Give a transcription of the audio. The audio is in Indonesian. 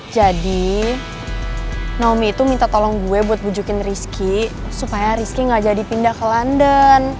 jadi naomi itu minta tolong gue buat bujukin rizky supaya rizky nggak jadi pindah ke london